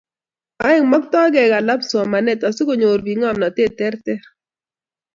Aeng', maktoi kekalab somanet asikonyor bik ngomnatet terter